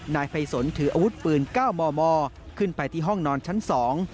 นายภัยสนถืออาวุธปืน๙มขึ้นไปที่ห้องนอนชั้น๒